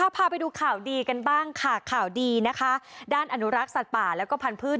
พาไปดูข่าวดีกันบ้างค่ะข่าวดีนะคะด้านอนุรักษ์สัตว์ป่าแล้วก็พันธุ์